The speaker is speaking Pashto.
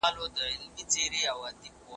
زما د عمرونو په خمار کي به نشه لګېږې